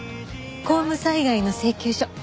公務災害の請求書。